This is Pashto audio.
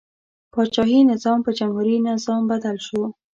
پاچاهي نظام په جمهوري نظام بدل شو.